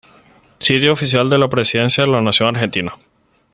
Sitio oficial de la Presidencia de la Nación Argentina